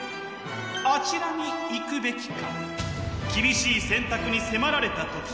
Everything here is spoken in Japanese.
あちらに行くべきか？